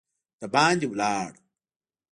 د باندي لاړ.